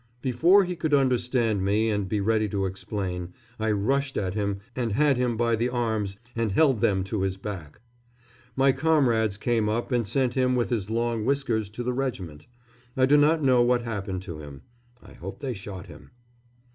Before he could understand me and be ready to explain, I rushed at him and had him by the arms and held them to his back. My comrades came up and sent him with his long whiskers to the regiment. I do not know what happened to him. I hope they shot him.